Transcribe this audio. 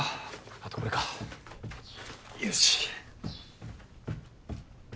あとこれかよし！